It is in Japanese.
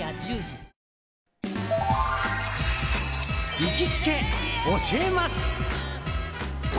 行きつけ教えます！